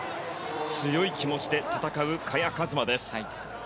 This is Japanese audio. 強い気持ちで戦う萱和磨です。